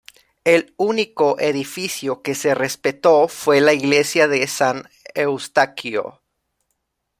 El único edificio que se respetó fue la iglesia de San Eustaquio.